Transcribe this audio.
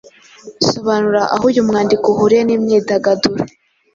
Sobanura aho uyu mwandiko uhuriye n’imyidagaduro.